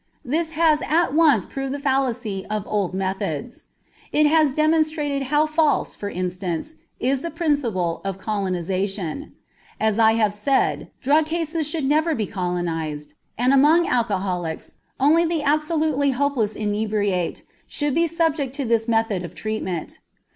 This has at once proved the fallacy of old methods. It has demonstrated how false, for instance, is the principle of colonization. As I have said, drug cases should never be colonized, and among alcoholics only the absolutely hopeless inebriate should be subjected to this method of treatment.